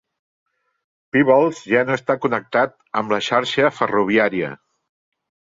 Peebles ja no està connectat amb la xarxa ferroviària.